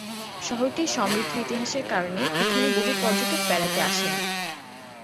শহরটির সমৃদ্ধ ইতিহাসের কারণে এখানে বহু পর্যটক বেড়াতে আসেন।